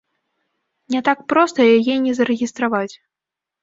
Не так проста яе не зарэгістраваць.